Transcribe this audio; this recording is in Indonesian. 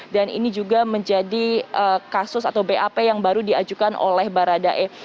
ini juga menjadi kasus atau bap yang baru diajukan oleh baradae